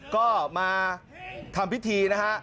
ก็มาทำพิธีนะฮะ